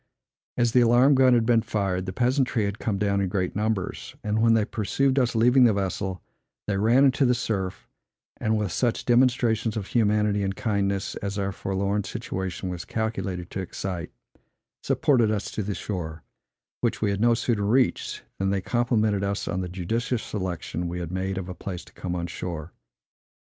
As the alarm gun had been fired, the peasantry had come down in great numbers; and when they perceived us leaving the vessel, they ran into the surf, and, with such demonstrations of humanity and kindness as our forlorn situation was calculated to excite, supported us to the shore, which we had no sooner reached, than they complimented us on the judicious selection we had made of a place to come on shore.